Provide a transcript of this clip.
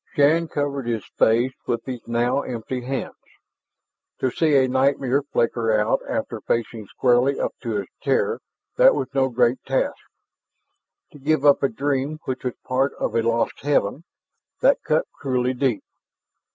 Shann covered his face with his now empty hands. To see a nightmare flicker out after facing squarely up to its terror, that was no great task. To give up a dream which was part of a lost heaven, that cut cruelly deep.